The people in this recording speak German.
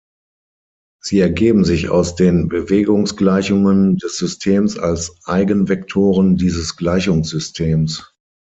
Sie ergeben sich aus den Bewegungsgleichungen des Systems als Eigenvektoren dieses Gleichungssystems.